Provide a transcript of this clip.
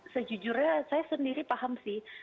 sejujurnya saya sendiri paham sih